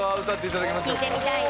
聴いてみたいな。